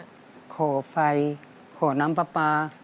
เดิมครับขอไฟขอน้ำปลา